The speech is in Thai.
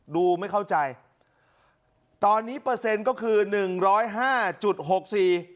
ดูไม่เข้าใจตอนนี้เปอร์เซ็นต์ก็คือหนึ่งร้อยห้าจุดหกสี่